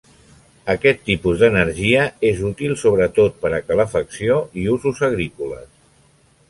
Aquest tipus d'energia és útil sobretot per a calefacció i usos agrícoles.